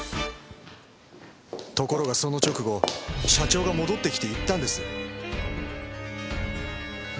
ところがその直後社長が戻ってきて言ったんです。